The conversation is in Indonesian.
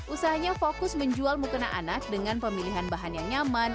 usahanya fokus menjual mukena anak dengan pemilihan bahan yang nyaman